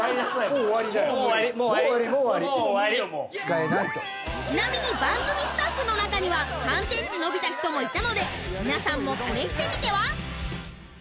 もう終わりもう終わり使えないとちなみに番組スタッフの中には３ｃｍ伸びた人もいたので皆さんも試してみては？